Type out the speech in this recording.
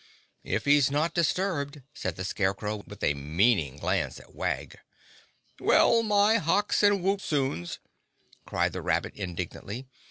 "If he's not disturbed," said the Scarecrow, with a meaning glance at Wag. "Well, my hocks and woop soons!" cried the rabbit indignantly.